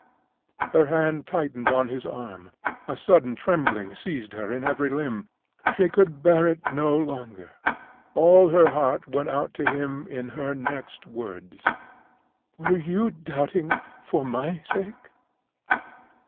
Her hand tightened on his arm; a sudden trembling seized her in every limb, she could bear it no longer. All her heart went out to him in her next words: "Were you doubting _for my sake?"